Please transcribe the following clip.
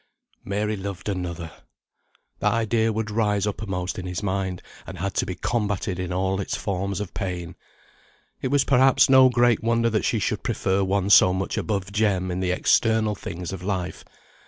Mary loved another! That idea would rise uppermost in his mind, and had to be combated in all its forms of pain. It was, perhaps, no great wonder that she should prefer one so much above Jem in the external things of life.